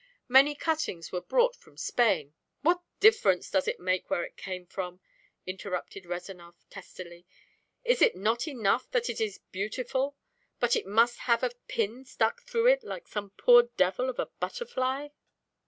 "Many cuttings were brought from Spain " "What difference does it make where it came from?" interrupted Rezanov testily. "Is it not enough that it is beautiful, but it must have a pin stuck through it like some poor devil of a butterfly?"